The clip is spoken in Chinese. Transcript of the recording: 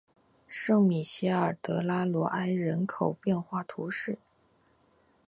圣米歇尔德拉罗埃人口变化图示